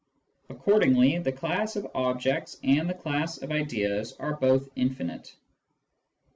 Accordingly, the class of objects and the class of ideas are both infinite.